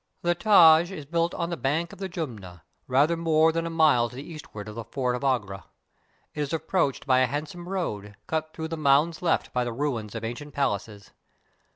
The Taj is built on the bank of the Jumna, rather more than a mile to the eastward of the Fort of Agra. It is ap proached by a handsome road, cut through the mounds left by the ruins of ancient palaces.